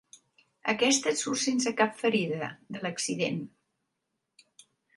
Aquesta en surt sense cap ferida, de l'accident.